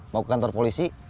mau ke kantor polisi